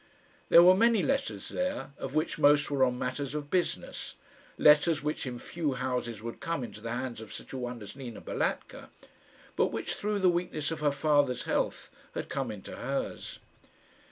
There were many letters there, of which most were on matters of business letters which in few houses would come into the hands of such a one as Nina Balatka, but which, through the weakness of her father's health, had come into hers.